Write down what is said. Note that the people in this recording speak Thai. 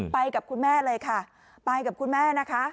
ไปกับคุณแม่เลยค่ะไปกับคุณแม่นะคะ